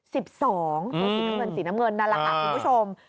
สีน้ำเมินน่ารักคุณผู้ชม